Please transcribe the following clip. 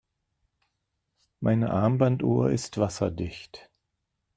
Meine Armbanduhr ist wasserdicht.